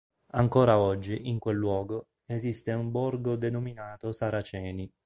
Ancora oggi, in quel luogo, esiste un borgo denominato "Saraceni".